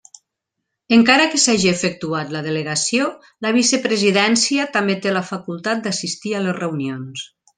Encara que s'hagi efectuat la delegació la Vicepresidència també té la facultat d'assistir a les reunions.